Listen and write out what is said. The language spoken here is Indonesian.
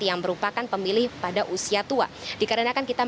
yang merupakan pemilih pada usia tua